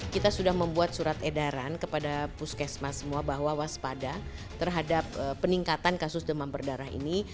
kita sudah membuat surat edaran kepada puskesmas semua bahwa waspada terhadap peningkatan kasus demam berdarah ini